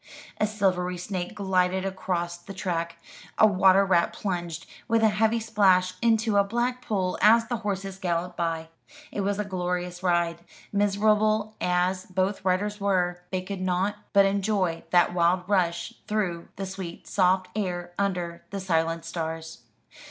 A silvery snake glided across the track; a water rat plunged, with a heavy splash, into a black pool as the horses galloped by. It was a glorious ride. Miserable as both riders were, they could not but enjoy that wild rush through the sweet soft air, under the silent stars.